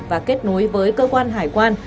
và kết nối với cơ quan hải quan